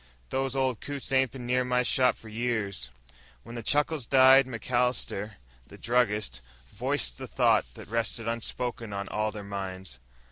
"Those old coots ain't been near my shop for years." When the chuckles died, MacAllister, the druggist, voiced the thought that rested unspoken on all their minds.